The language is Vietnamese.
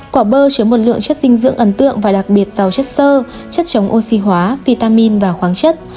quả bơ chứa một lượng chất dinh dưỡng ấn tượng và đặc biệt giàu chất sơ chất chống oxy hóa vitamin và khoáng chất